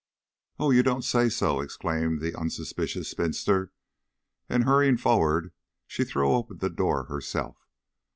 "Oh, you don't say so!" exclaimed the unsuspicious spinster, and hurrying forward, she threw open the door herself.